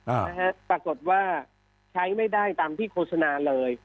นะฮะปรากฏว่าใช้ไม่ได้ตามที่โฆษณาเลย